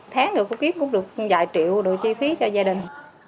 tháng người có kiếm cũng được vài triệu được chi phí cho gia đình